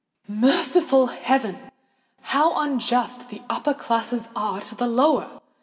Merciful heavens! how unjust the upper classes are to the lower!